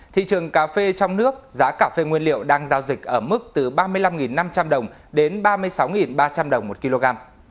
thị trường cà phê trong nước giá cà phê nguyên liệu đang giao dịch ở mức từ ba mươi năm năm trăm linh đồng đến ba mươi sáu ba trăm linh đồng một kg